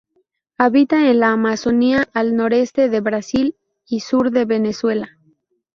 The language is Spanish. Habita en la Amazonia al noreste de Brasil y sur de Venezuela.